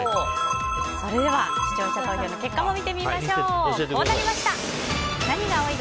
それでは、視聴者投票の結果こうなりました。